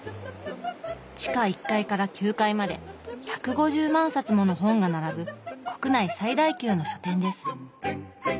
地下１階から９階まで１５０万冊もの本が並ぶ国内最大級の書店です。